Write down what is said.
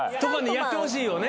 やってほしいよね。